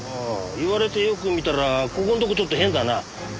言われてよく見たらここんとこちょっと変だな。